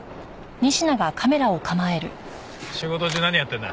仕事中何やってんだ？